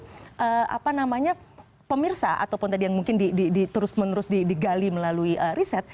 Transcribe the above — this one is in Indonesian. jadi apa namanya pemirsa ataupun tadi yang mungkin terus menerus digali melalui riset